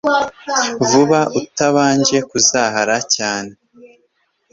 vuba atabanje kuzahara cyane